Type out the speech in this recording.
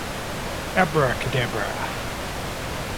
Abracadabra.